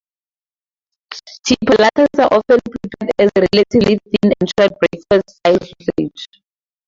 Chipolatas are often prepared as a relatively thin and short breakfast-style sausage.